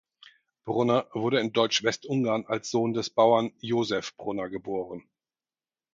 Brunner wurde in Deutsch-Westungarn als Sohn des Bauern Josef Brunner geboren.